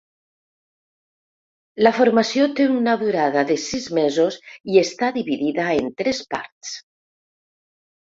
La formació té una durada de sis mesos i està dividida en tres parts.